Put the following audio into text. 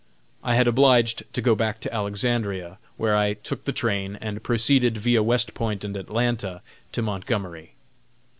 I was obliged to go back to Alexandria, where I took the train and proceeded, via West Point and Atlanta, to Montgomery.